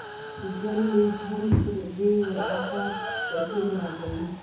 ژوند مې هم تر دې ور ها خوا پیسې نه را کوي